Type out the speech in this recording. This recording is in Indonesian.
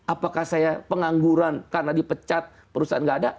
apakah saya pengangguran karena dipecat perusahaan nggak ada